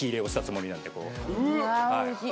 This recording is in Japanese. うわおいしい。